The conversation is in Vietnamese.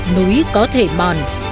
núi có thể mòn